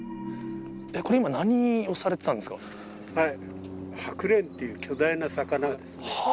これ今、何をされてたんですハクレンという巨大な魚ですね。